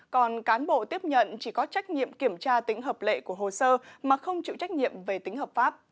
còn cán bộ tiếp nhận chỉ có trách nhiệm kiểm tra tính hợp lệ của hồ sơ mà không chịu trách nhiệm về tính hợp pháp